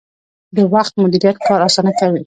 د وخت مدیریت کار اسانه کوي